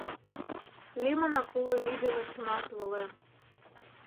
Лӱмынак уло вий дене чымалт волем.